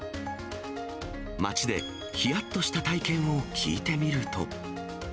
街で、ひやっとした体験を聞いてみると。